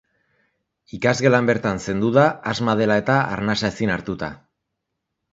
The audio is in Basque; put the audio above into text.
Ikasgelan bertan zendu da asma dela eta arnasa ezin hartuta.